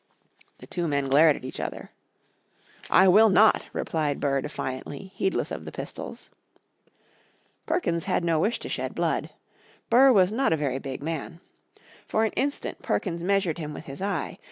The two men glared at each other. "I will not," replied Burr defiantly, heedless of the pistols. Perkins had no wish to shed blood. Burr was not a very big man. For an instant Perkins measured him with his eye.